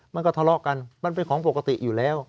มันก็ทะเลาะกันมันเป็นของปกติอยู่แล้ว